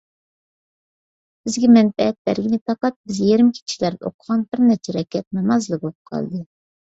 بىزگە مەنپەئەت بەرگىنى پەقەت بىز يېرىم كېچىلەردە ئوقۇغان بىر نەچچە رەكەت نامازلا بولۇپ قالدى.